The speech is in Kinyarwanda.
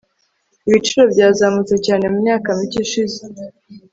ibiciro byazamutse cyane mumyaka mike ishize